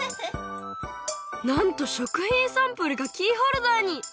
なんと食品サンプルがキーホルダーに！